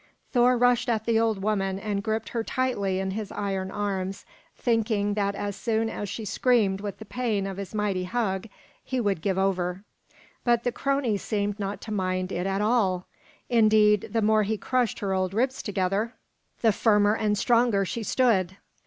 Thor rushed at the old woman and gripped her tightly in his iron arms, thinking that as soon as she screamed with the pain of his mighty hug, he would give over. But the crone seemed not to mind it at all. Indeed, the more he crushed her old ribs together the firmer and stronger she stood.